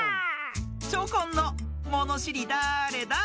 チョコンの「ものしりだれだ？」